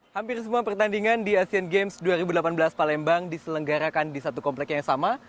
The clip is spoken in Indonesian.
hampir semua pertandingan di asean games dua ribu delapan belas palembang diselenggarakan di satu komplek yang sama